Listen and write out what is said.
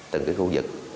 từng cái khu vực